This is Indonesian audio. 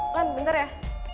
lan bentar ya